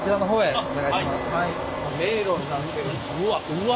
うわ！